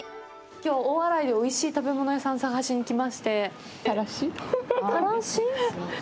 きょう大洗でおいしい食べ物屋さん探しに来まして。